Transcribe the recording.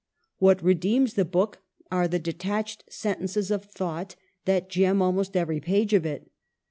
What redeems the book are the de tached sentences of thought that gem almost every page of it.